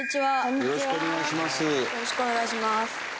よろしくお願いします。